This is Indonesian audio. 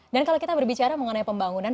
dan kalau kita berbicara mengenai pembangunan